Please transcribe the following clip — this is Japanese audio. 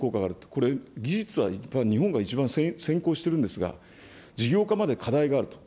これ、技術はやっぱり日本が一番先行しているんですが、事業化まで課題があると。